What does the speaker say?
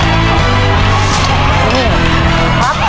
เวลา๓นาทีนะครับ